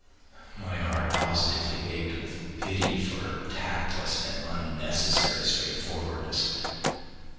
My heart positively ached with pity for her tactless and unnecessary straightforwardness.